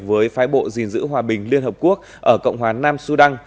với phái bộ gìn giữ hòa bình liên hợp quốc ở cộng hòa nam sudan